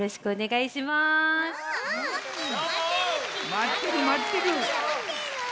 まってるまってる！